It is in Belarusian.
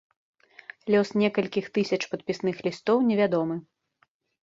Лёс некалькіх тысяч падпісных лістоў невядомы.